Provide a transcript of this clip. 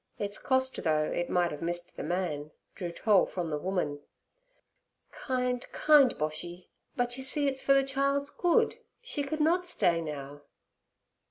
Its cost, though it might have missed the man, drew toll from the woman. 'Kind, kind Boshy! But, you see, it's for the child's good. She could not stay now.'